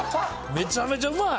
めちゃめちゃうまい。